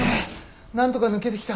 なんとか抜けてきた。